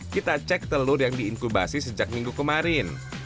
kita cek telur yang diinkubasi sejak minggu kemarin